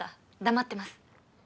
黙ってます